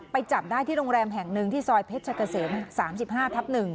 จับได้ที่โรงแรมแห่งหนึ่งที่ซอยเพชรเกษม๓๕ทับ๑